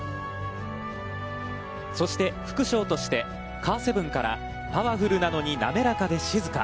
そして副賞として、カーセブンからパワフルなのに、なめらかで静か。